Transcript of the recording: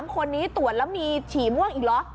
๓คนนี้ตรวจแล้วมีฉี่ม่วงอีกเหรอ